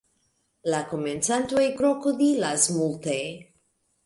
La komencantoj krokodilas multe.